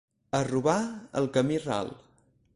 A robar, al camí ral!